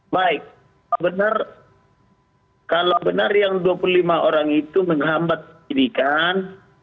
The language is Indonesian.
baik benar kalau benar yang dua puluh lima orang itu menghambat penyidikan